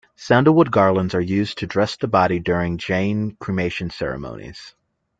Sandalwood garlands are used to dress the body during Jain cremation ceremonies.